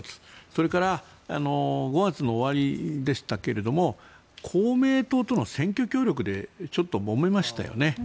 それから５月の終わりでしたが公明党との選挙協力でちょっともめましたよね。